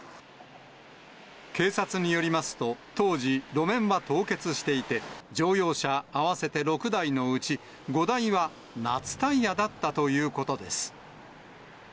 警察によりますと、当時、路面は凍結していて、乗用車合わせて６台のうち、５台は夏タイヤだったということです。